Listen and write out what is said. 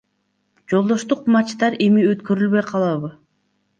Жолдоштук матчтар эми өткөрүлбөй калабы?